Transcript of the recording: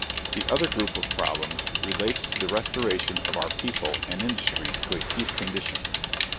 The other group of problems relates to the restoration of our people and industries to a peace condition.